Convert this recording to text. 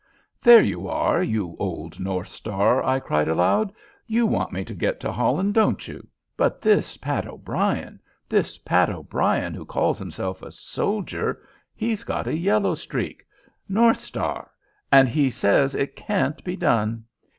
"There you are, you old North Star!" I cried, aloud. "You want me to get to Holland, don't you? But this Pat O'Brien this Pat O'Brien who calls himself a soldier he's got a yellow streak North Star and he says it can't be done!